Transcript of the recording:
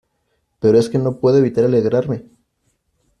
pero es que no puedo evitar alegrarme.